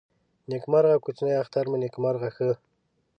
نیکمرغه کوچني اختر مو نیکمرغه ښه.